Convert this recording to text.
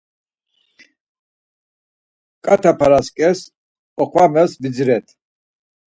Ǩat̆a p̌arasǩes oxvames vidziret.